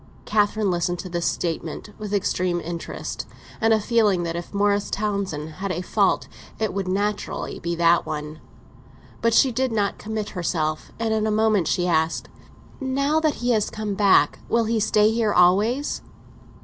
Catherine listened to this statement with extreme interest, and a feeling that if Morris Townsend had a fault it would naturally be that one. But she did not commit herself, and in a moment she asked: "Now that he has come back, will he stay here always?"